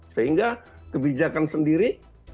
sehingga kebijakan sendiri